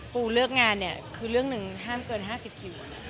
เลือกงานเนี่ยคือเรื่องหนึ่งห้ามเกิน๕๐คิว